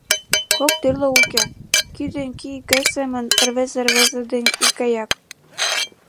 Кок тӱрлӧ уке: кӱ ден кӱ икгай семын рвезе рвезе ден икгаяк.